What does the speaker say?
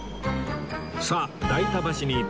さあ代田橋に到着